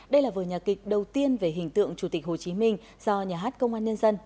đây là vở nhà kịch đầu tiên về hình tượng chủ tịch hồ chí minh do nhà hát công an nhân dân